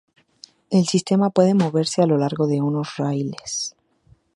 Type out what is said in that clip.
El sistema puede moverse a lo largo de unos raíles.